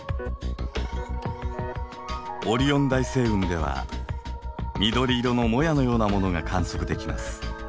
オリオン大星雲では緑色のもやのようなものが観測できます。